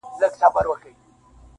ښخ کړﺉ هدیره کي ما د هغو مېړنو تر څنګ-